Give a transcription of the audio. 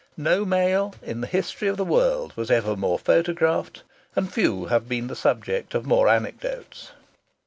No male in the history of the world was ever more photographed, and few have been the subject of more anecdotes.